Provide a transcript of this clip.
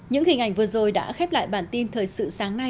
những hình ảnh vừa rồi đã khép lại bản tin